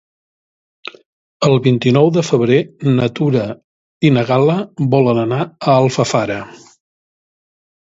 El vint-i-nou de febrer na Tura i na Gal·la volen anar a Alfafara.